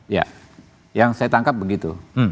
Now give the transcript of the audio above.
ya yang saya tangkap begitu